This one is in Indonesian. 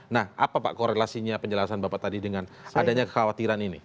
nah apa pak korelasinya penjelasan bapak tadi dengan adanya kekhawatiran ini